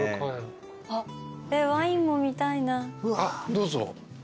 どうぞ。